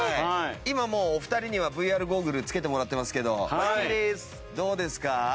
今もうお二人にはＶＲゴーグル着けてもらってますけどどうですか？